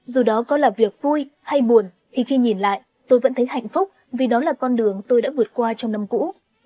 dù đó có là việc vui hay buồn thì khi nhìn lại tôi vẫn thấy hạnh phúc vì đó là con đường tôi đã vượt qua trong năm cũ